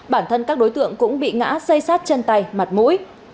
bản thân các đối tượng cũng bị ngã dây sát chân tay mặt mũi